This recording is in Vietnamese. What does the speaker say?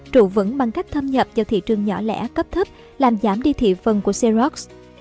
trụ vững bằng cách thâm nhập vào thị trường nhỏ lẻ cấp thấp làm giảm đi thị phần của seoks